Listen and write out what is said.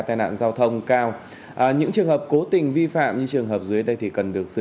tai nạn giao thông cao những trường hợp cố tình vi phạm như trường hợp dưới đây thì cần được giữ